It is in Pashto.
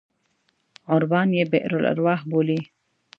عربان یې بئر الأرواح بولي.